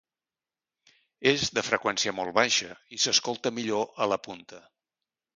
És de freqüència molt baixa i s'escolta millor a la punta.